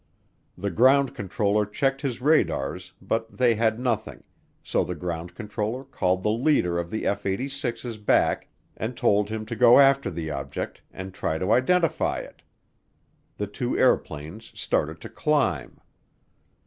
The ground controller checked his radars but they had nothing, so the ground controller called the leader of the F 86's back and told him to go after the object and try to identify it. The two airplanes started to climb.